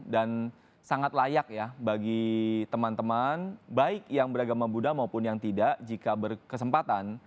dan sangat layak ya bagi teman teman baik yang beragama buddha maupun yang tidak jika berkesempatan